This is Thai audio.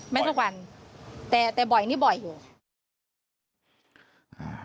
ไม่ทุกวันแต่แต่บ่อยนี่บ่อยอยู่